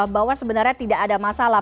bahwa sebenarnya tidak ada masalah